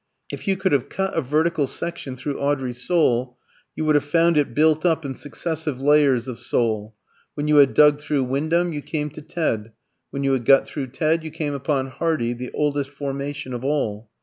If you could have cut a vertical section through Audrey's soul, you would have found it built up in successive layers of soul. When you had dug through Wyndham, you came to Ted; when you had got through Ted, you came upon Hardy, the oldest formation of all.